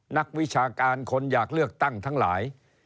นักวิชาการคนอยากเลือกตั้งทั้งหลาย